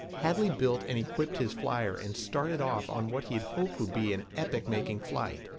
Hadley built and equipped his flyer and started off on what he hoped would be an epoch making flight.